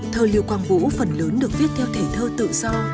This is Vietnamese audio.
thơ lưu quang vũ phần lớn được viết theo thể thơ tự do